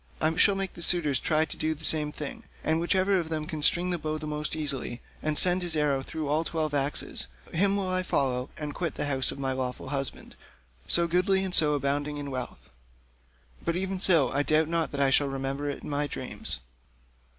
I shall make the suitors try to do the same thing, and whichever of them can string the bow most easily, and send his arrow through all the twelve axes, him will I follow, and quit this house of my lawful husband, so goodly and so abounding in wealth. But even so, I doubt not that I shall remember it in my dreams."